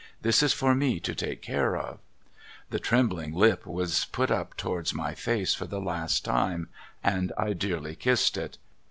This is for me to take care of.' The trembling lip was put up towards my face for the last time, and I dearly kissed it.